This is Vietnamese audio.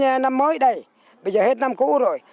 giết gà là xin năm mới đây bây giờ hết năm cũ rồi